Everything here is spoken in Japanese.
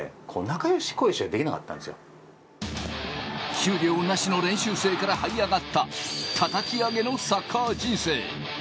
給料なしの練習生からはい上がった叩き上げのサッカー人生。